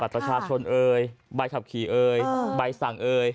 ประชาชนเอ่ยใบขับขี่เอ่ยใบสั่งเอ่ย